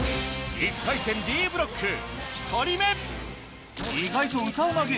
１回戦Ｄブロック１人目